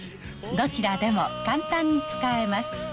どちらでも簡単に使えます」。